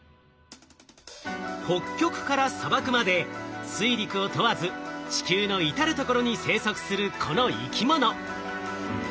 北極から砂漠まで水陸を問わず地球の至る所に生息するこの生き物。